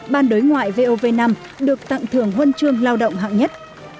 ban đối ngoại vov năm được tặng thưởng huân chương lao động hạng nhất